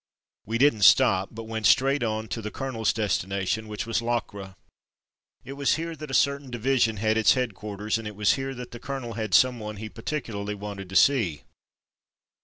We didn't stop, but went straight on to the colonel's destination — ^which was Locre. It was here that a certain division had its headquarters, and it was here that the colonel had someone he particularly wanted to see.